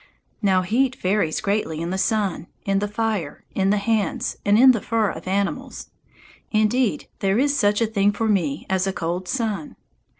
Now, heat varies greatly in the sun, in the fire, in hands, and in the fur of animals; indeed, there is such a thing for me as a cold sun.